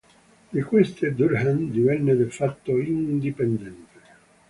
Di queste, Durham divenne "de facto" indipendente.